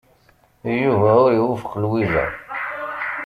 Yuba ur iwufeq Lwiza.